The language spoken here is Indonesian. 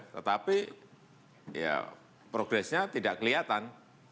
tetapi ya progresnya tidak kelihatan